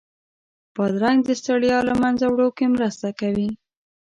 بادرنګ د ستړیا له منځه وړو کې مرسته کوي.